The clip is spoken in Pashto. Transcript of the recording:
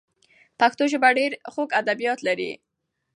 پښتو ژبه ډېر خوږ ادبیات لري.